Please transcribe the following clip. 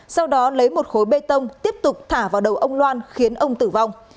sau đó lấy một khối bê tông tiếp tục thả vào đầu ông loan khiến ông tử vong